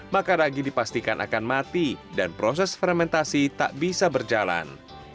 maka ragi dipastikan akan mati dan proses fermentasi tak bisa berjalan